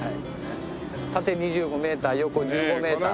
縦２５メーター横１５メーター。